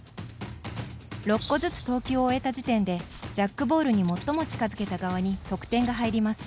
６個ずつの投球を終えた時点でジャックボールに最も近づけた側に得点が入ります。